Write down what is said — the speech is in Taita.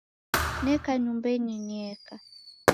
Neka nyumbenyi nieka